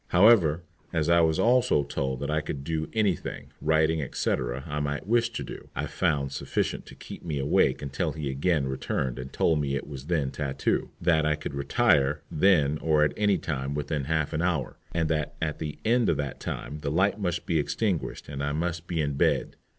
However, as I was also told that I could do any thing writing, etc. I might wish to do, I found sufficient to keep me awake until he again returned and told me it was then tattoo, that I could retire then or at any time within half an hour, and that at the end of that time the light must be extinguished and I must be in bed.